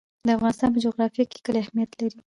د افغانستان په جغرافیه کې کلي اهمیت لري.